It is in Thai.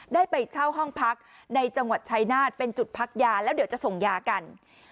ได้ไปเช่าห้องพักในจังหวัดชายนาฏเป็นจุดพักยาแล้วเดี๋ยวจะส่งยากัน